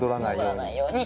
戻らないように！